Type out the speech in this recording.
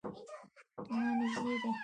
نه، نژدې دی